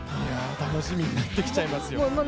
楽しみになってきちゃいました。